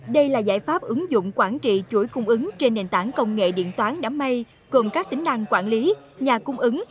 đây là giải pháp ứng dụng quản trị chuỗi cung ứng trên nền tảng công nghệ điện toán đám mây gồm các tính năng quản lý nhà cung ứng